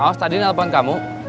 awas tadi nelpon kamu